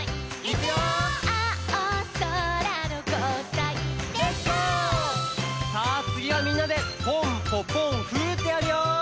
さあつぎはみんなでポンポポンフってやるよ！